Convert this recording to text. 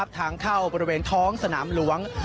ทางเข้าบริเวณท้องสนามหลวง